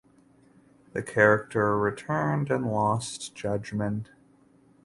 The character returned in "Lost Judgment".